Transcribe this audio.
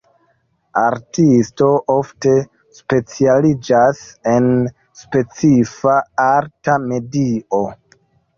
Artisto ofte specialiĝas en specifa arta medio.